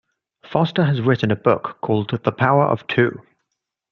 Foster has written a book called "The Power Of Two".